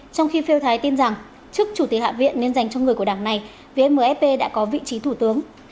trong khi phiêu thái tin rằng trước chủ tịch hạ viện nên dành cho người của đảng này vì mfp đã có vị trí thủ tướng